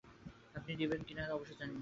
আপনি নিবেন কি না তা অবশ্য জানি না।